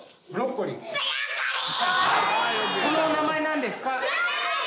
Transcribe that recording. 「このお名前何ですか？」